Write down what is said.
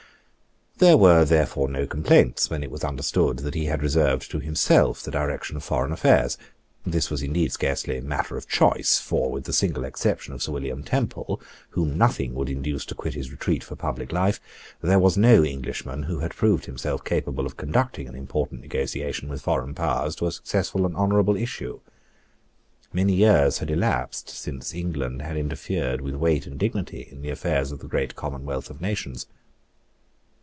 There were therefore no complaints when it was understood that he had reserved to himself the direction of foreign affairs. This was indeed scarcely matter of choice: for, with the single exception of Sir William Temple, whom nothing would induce to quit his retreat for public life, there was no Englishman who had proved himself capable of conducting an important negotiation with foreign powers to a successful and honourable issue. Many years had elapsed since England had interfered with weight and dignity in the affairs of the great commonwealth of nations.